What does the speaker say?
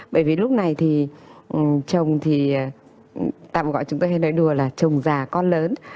bởi vì lúc này thì chồng thì tạm gọi chúng tôi hay nói đùa là chồng già con lớn